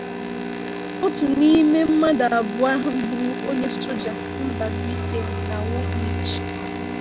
otu n’ime mmadụ abụọ ahụ gburu onye soja mba Britain na Woolwich